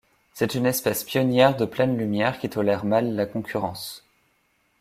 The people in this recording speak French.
C'est une espèce pionnière de pleine lumière qui tolère mal la concurrence.